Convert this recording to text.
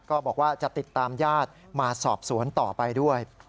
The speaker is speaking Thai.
ก็บอกว่าจะติดตามญาติมาสอบสวนต่อไปด้วย